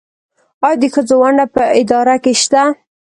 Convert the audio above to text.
آیا د ښځو ونډه په اداره کې شته؟